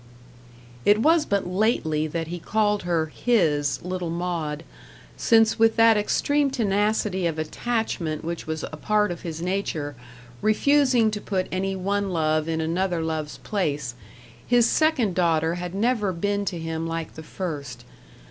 It was but lately that he called her "his" little Maud; since with that extreme tenacity of attachment which was a part of his nature refusing to put any one love in another love's place his second daughter had never been to him like the first.